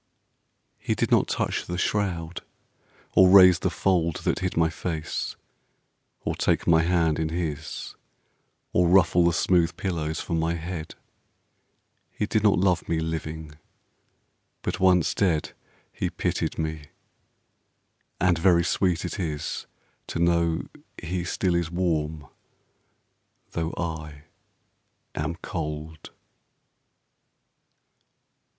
He did not touch the shroud, or raise the fold That hid my face, or take my hand in his, Or ruffle the smooth pillows for my head: He did not love me living; but once dead He pitied me; and very sweet it is To know he still is warm though I am cold.